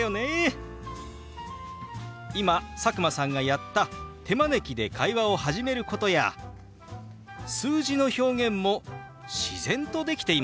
今佐久間さんがやった手招きで会話を始めることや数字の表現も自然とできていましたよ。